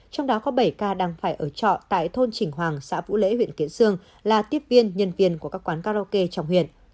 trong đó có bảy ca đang phải ở trọ tại thôn chỉnh hoàng xã vũ lễ huyện kiến sương là tiếp viên nhân viên của các quán karaoke trong huyện